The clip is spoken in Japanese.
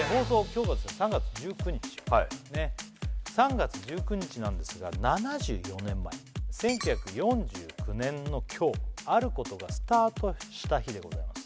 はいはい３月１９日なんですが１９４９年の今日あることがスタートした日でございます